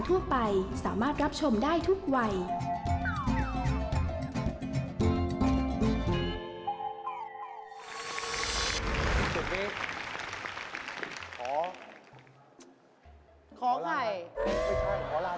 ไม่ใช่ขอลาเจ๊ไปเที่ยวดีกว่า